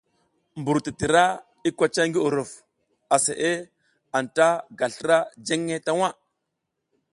Mbur titira i kocay ngi uruf, aseʼe anta ta ga slra jenge ta waʼa.